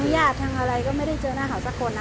ญาติทางอะไรก็ไม่ได้เจอหน้าเขาสักคนนะ